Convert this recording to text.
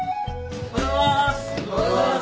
おはようございます。